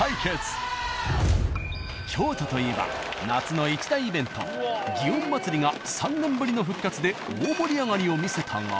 京都といえば夏の一大イベント祇園祭が３年ぶりの復活で大盛り上がりを見せたが。